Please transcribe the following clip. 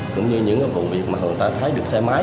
cũng như những vụ việc mà người ta thấy được xe máy